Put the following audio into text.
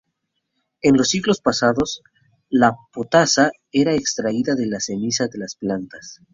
En los siglos pasados, la potasa era extraída de las cenizas de las plantas.